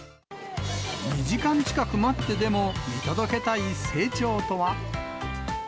２時間近く待ってでも、見届けたい成長とは。